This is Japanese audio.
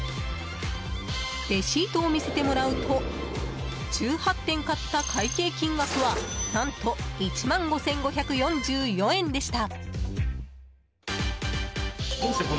レシートを見せてもらうと１８点買った会計金額は何と１万５５４４円でした。